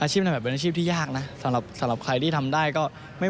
อาชีพแหล่ะเป็นอาชีพที่ยากนะสำหรับใครทำได้ก็